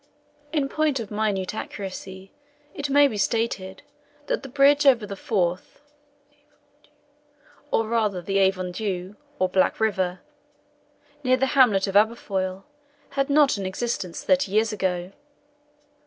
In point of minute accuracy, it may be stated, that the bridge over the Forth, or rather the Avondhu (or Black River), near the hamlet of Aberfoil, had not an existence thirty years ago.